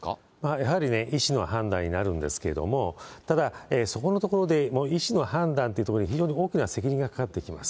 やはりね、医師の判断になるんですけれども、ただそこのところでも医師の判断というところで、非常に大きな責任がかかってきます。